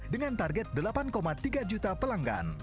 dengan target delapan tiga juta pelanggan